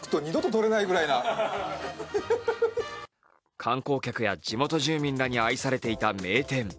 観光客や地元住民らに愛されていた名店。